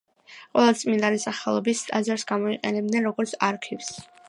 ყველა წმინდანის სახელობის ტაძარს გამოიყენებდნენ როგორც არქივს.